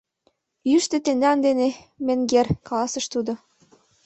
— Йӱштӧ тендан дене, менгер, — каласыш тудо.